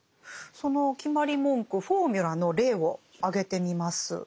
その決まり文句フォーミュラの例を挙げてみます。